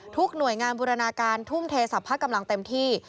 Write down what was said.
หน่วยงานบูรณาการทุ่มเทสรรพกำลังเต็มที่